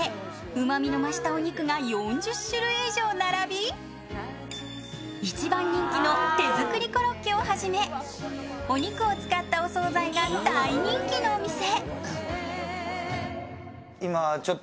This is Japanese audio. うまみの増したお肉が４０種類以上並び一番人気の手作りコロッケをはじめお肉を使ったお総菜が大人気のお店。